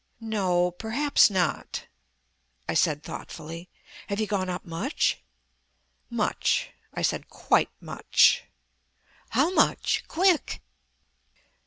"No, perhaps not," I said thoughtfully. "Have you gone up much?" "Much," I said. "Quite much." "How much? Quick!"